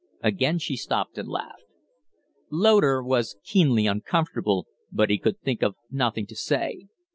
Again she stopped and laughed. Loder was keenly uncomfortable, but he could think of nothing to say.